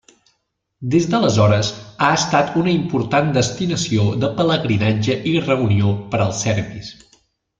Des d'aleshores, ha estat una important destinació de pelegrinatge i reunió per als serbis.